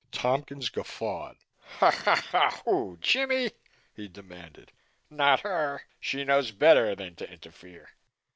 Tompkins guffawed. "Who? Jimmie?" he demanded. "Not her! She knows better than to interfere."